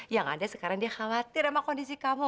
yang ada sekarang dia khawatir sama kondisi kamu